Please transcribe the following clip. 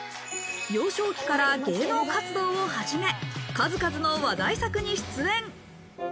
幼少期から芸能活動を始め、数々の話題作に出演。